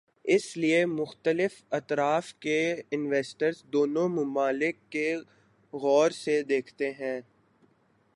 اس لیے مختلف اطراف کے انویسٹر دونوں ممالک کو غور سے دیکھتے ہیں۔